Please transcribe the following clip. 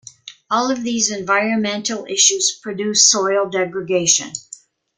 All of these environmental issues produce soil degradation.